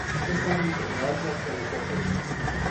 اُساں ایک بھگیاڑ چک کے نسے تھو